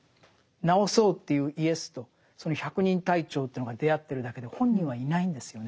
治そうというイエスとその百人隊長というのが出会ってるだけで本人はいないんですよね。